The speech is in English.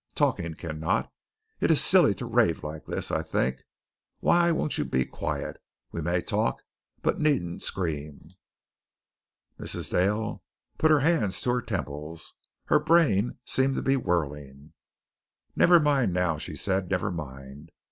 Talking cannot. It is silly to rave like this, I think. Why won't you be quiet? We may talk, but needn't scream." Mrs. Dale put her hands to her temples. Her brain seemed to be whirling. "Never mind, now," she said. "Never mind.